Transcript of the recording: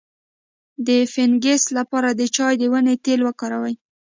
د فنګس لپاره د چای د ونې تېل وکاروئ